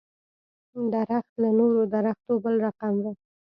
درخت له نورو درختو بل رقم و.